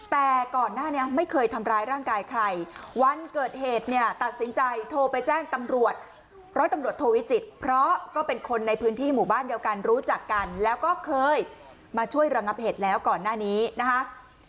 แต่ก่อนหน้านี้ไม่เคยทำร้ายร่างกายใครวันเกิดเหตุเนี่ยตัดสินใจโทรไปแจ้งตำรวจร้อยตำรวจโทวิจิตเพราะก็เป็นคนในพื้นที่หมู่บ้านเดียวกันรู้จักกันแล้วก็เคยมาช่วยระงับเหตุแล้วก่อนหน้านี้นะคะ